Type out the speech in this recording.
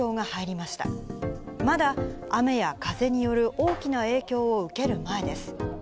まだ雨や風による大きな影響を受ける前です。